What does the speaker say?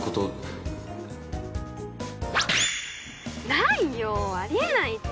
ないよあり得ないって。